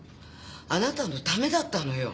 あなたのためだったのよ。